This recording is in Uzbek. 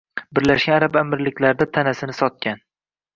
Birlashgan arab amirligida tanasini sotgan